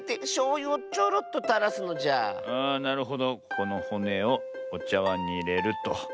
このほねをおちゃわんにいれると。